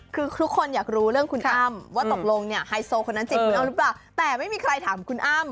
คือทุกคนอยากรู้เรื่องคุณอ้ำว่าตกลงเนี่ยไฮโซคนนั้นจีบคุณอ้ำหรือเปล่าแต่ไม่มีใครถามคุณอ้ำ